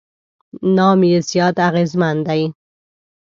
نام یې زیات اغېزمن دی.